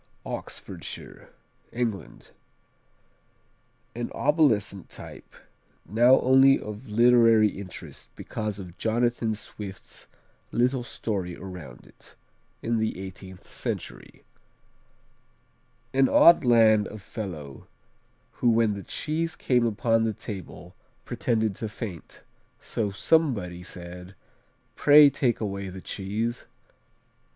Oxfordshire England An obsolescent type, now only of literary interest because of Jonathan Swift's little story around it, in the eighteenth century: "An odd land of fellow, who when the cheese came upon the table, pretended to faint; so somebody said, Pray take away the cheese.'